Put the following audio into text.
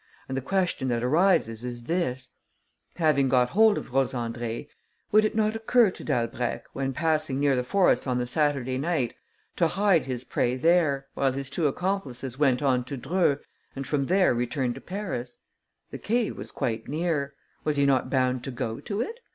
And the question that arises is this: having got hold of Rose Andrée, would it not occur to Dalbrèque, when passing near the forest on the Saturday night, to hide his prey there, while his two accomplices went on to Dreux and from there returned to Paris? The cave was quite near. Was he not bound to go to it?